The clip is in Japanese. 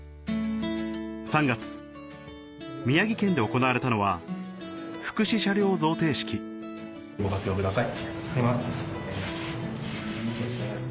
３月宮城県で行われたのはご活用ください。